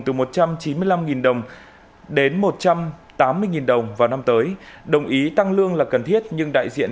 từ một trăm chín mươi năm đồng đến một trăm tám mươi đồng vào năm tới đồng ý tăng lương là cần thiết nhưng đại diện